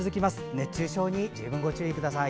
熱中症に十分ご注意ください。